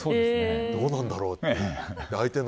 どうなんだろうって。